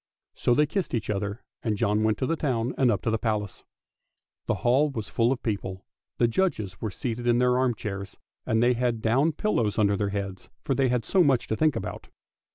So they kissed each other, and John went to the town and up to the Palace. The hall was full of people; the judges were seated in their arm chairs, and they had down pillows under their heads for they had so much to think about.